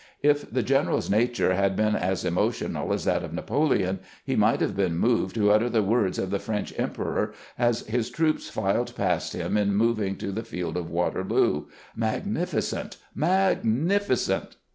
If the general's nature had been as emotional as that of Napoleon, he might have been moved to utter the words of the French emperor as his troops filed past him in moving to the field of Waterloo :" Magnificent, magnificent